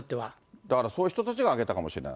だからそういう人たちがあげたかもしれない。